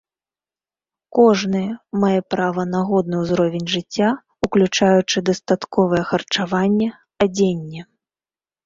Кожны мае права на годны ўзровень жыцця, уключаючы дастатковае харчаванне, адзенне.